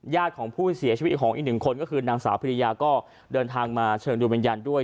ของผู้เสียชีวิตของอีกหนึ่งคนก็คือนางสาวพิริยาก็เดินทางมาเชิงดูวิญญาณด้วย